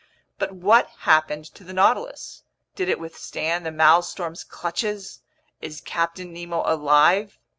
But what happened to the Nautilus? Did it withstand the Maelstrom's clutches? Is Captain Nemo alive?